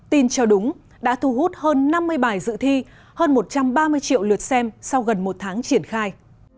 tin cho đúng đã thu hút hơn năm mươi bài dự thi hơn một trăm ba mươi triệu lượt xem sau gần một tháng triển khai